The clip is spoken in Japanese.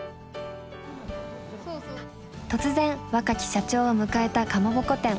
突然若き社長を迎えたかまぼこ店。